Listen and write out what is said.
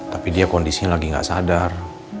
tapi dia kondisinya lagi nggak sadar